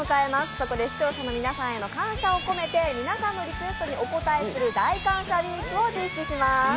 そこで視聴者の皆さんへの感謝を込めて皆さんのリクエストにお応えする大感謝ウィークを実施します。